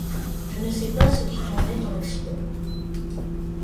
Je ne sais pas ce qu'il en est en Occident.